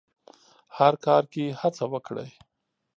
هر کار کې هڅه وکړئ.